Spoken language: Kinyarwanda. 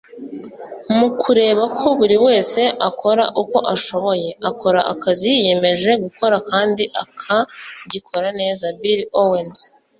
mu kureba ko buri wese akora uko ashoboye, akora akazi yiyemeje gukora kandi akagikora neza. - bill owens